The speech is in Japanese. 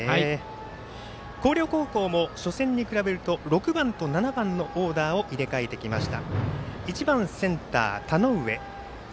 広陵高校も初戦に比べると６番と７番のオーダーを入れ替えてきました。